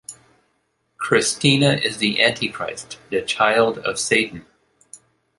Christina is the Antichrist, the child of Satan.